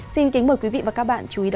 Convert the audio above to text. xin kính mời quý vị và các bạn chú ý đón xem